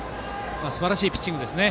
すばらしいピッチングでした。